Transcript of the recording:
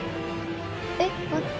えっ待って。